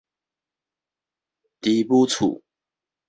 豬母厝